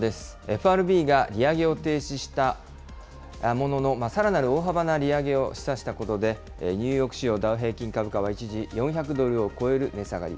ＦＲＢが利上げを停止したものの、さらなる大幅な利上げを示唆したことで、ニューヨーク市場ダウ平均株価は一時、４００ドルを超える値下がり。